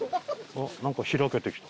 なんか開けてきた。